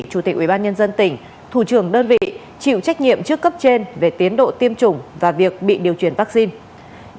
chủ tịch ubnd tỉnh thủ trưởng đơn vị chịu trách nhiệm trước cấp trên về tiến độ tiêm chủng và việc bị điều chuyển vaccine